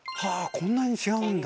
こんなに違うんだ。